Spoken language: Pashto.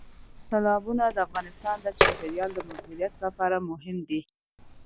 تالابونه د افغانستان د چاپیریال د مدیریت لپاره مهم دي.